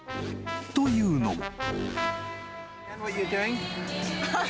［というのも］